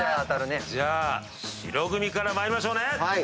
じゃあ白組から参りましょうね。